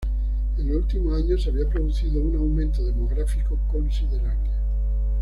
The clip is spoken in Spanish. En los últimos años se había producido un aumento demográfico considerable.